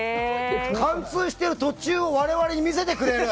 貫通している途中を我々に見せてくれるの。